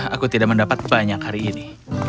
aku tidak mendapat banyak hari ini